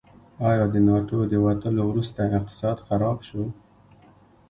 آیا د ناټو د وتلو وروسته اقتصاد خراب شو؟